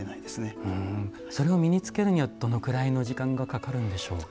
それを身につけるにはどのくらいの時間がかかるんでしょう？